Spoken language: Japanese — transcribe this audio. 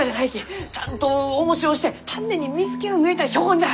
ちゃんとおもしをして丹念に水けを抜いた標本じゃ！